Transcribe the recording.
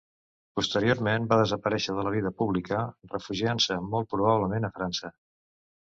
Posteriorment va desaparèixer de la vida pública, refugiant-se molt probablement a França.